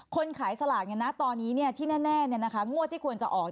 คนขายสลากตอนนี้ที่แน่งวดที่ควรจะออก